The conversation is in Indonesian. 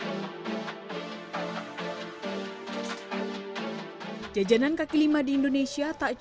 pengacara untuk perkaraowego negeri hai turi atau lain